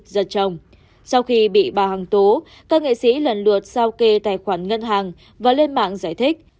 giật chồng sau khi bị bà hằng tố các nghệ sĩ lần lượt giao kê tài khoản ngân hàng và lên mạng giải thích